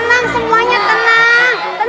tenang semuanya tenang